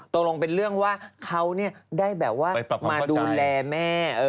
ตรงเป็นเรื่องว่าเขาได้แบบว่ามาดูแลแม่